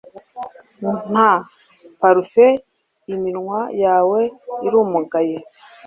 nta parufe iminwa yawe irumagaye